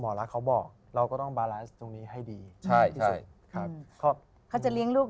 หมอรักเขาบอกเราก็ต้องตรงนี้ให้ดีใช่ใช่เขาจะเลี้ยงลูก